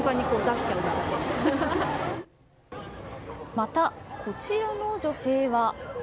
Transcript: また、こちらの女性は。